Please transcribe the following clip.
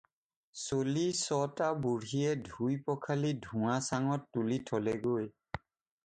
চলি ছটা বুঢ়ীয়ে ধুই-পখালি ধোঁৱা-চাঙত তুলি থ'লেগৈ।